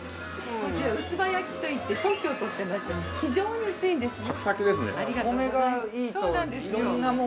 ◆こちら、うすば焼きと言って、特許を取っていまして、非常に薄いんですね。